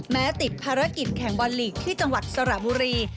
ติดภารกิจแข่งบอลลีกที่จังหวัดสระบุรี